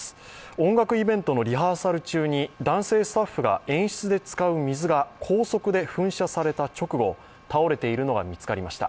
音楽イベントのリハーサル中に男性スタッフが演出で使う水が高速で噴射された直後、倒れているのが見つかりました。